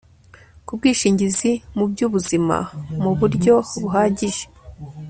k'ubwishingizi mu by'ubuzima mu buryo buhagije